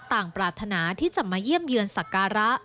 ปรารถนาที่จะมาเยี่ยมเยือนศักระ